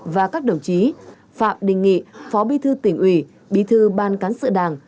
và các đồng chí phạm đình nghị phó bí thư tỉnh ủy bí thư ban cán sự đảng